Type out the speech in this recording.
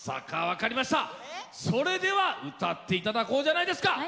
それでは歌っていただこうじゃないですか。